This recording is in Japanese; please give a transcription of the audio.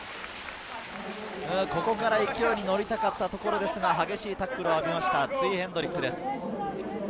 ここから勢いに乗りたかったところですが、激しいタックルを浴びました、ツイ・ヘンドリックです。